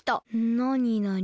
なになに？